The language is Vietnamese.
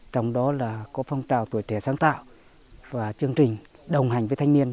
trong đó là có phong trào tuổi trẻ sáng tạo và chương trình đồng hành với thanh niên